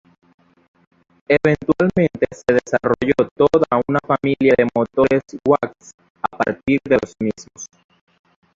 Eventualmente se desarrolló toda una familia de motores Wasp a partir de los mismos.